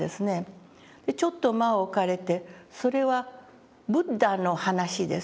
ちょっと間を置かれて「それはブッダの話です。